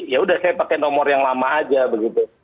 ya sudah saya pakai nomor yang lama saja